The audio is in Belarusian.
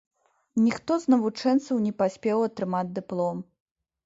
Ніхто з навучэнцаў не паспеў атрымаць дыплом.